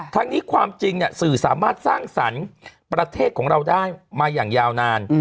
ทั้งนี้ความจริงสื่อสามารถสร้างสรรค์ประเทศของเราได้มาอย่างยาวนาน